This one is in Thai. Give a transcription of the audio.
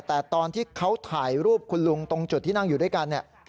แต่ตอนที่เขาถ่ายรูปคุณลุงตรงจุดที่นั่งอยู่ด้วยกันเนี่ย